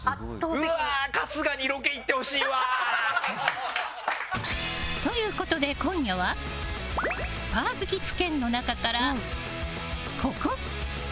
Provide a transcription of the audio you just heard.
春日にロケ行ってほしいわ！ということで、今夜はパー好き府県の中から、ここ！